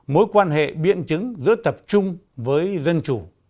mối quan hệ biện chứng giữa tập trung với dân chủ